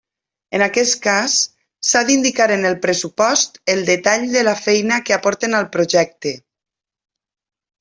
En aquest cas, s'ha d'indicar en el pressupost el detall de la feina que aporten al projecte.